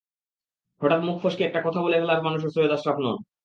হঠাৎ মুখ ফসকে একটা কথা বলে ফেলার মানুষও সৈয়দ আশরাফ নন।